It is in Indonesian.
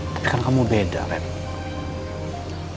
tapi kan kamu beda red